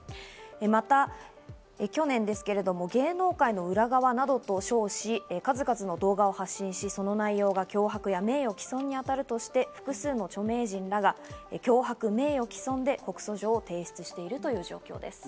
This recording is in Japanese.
また去年ですけれども、芸能界の裏側などと称し、数々の動画を発信し、その内容が脅迫や名誉毀損にあたるとして複数の著名人らが脅迫、名誉毀損で告訴状を提出しているという状況です。